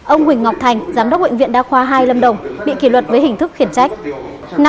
ông huỳnh ngọc thành giám đốc bệnh viện đa khoa hai lâm đồng bị kỷ luật với hình thức khiển trách